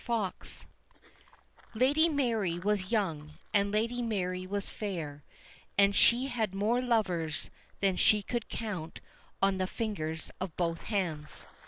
FOX LADY MARY was young and Lady Mary was fair, and r she had more lovers than she could count on the fingers of both hands.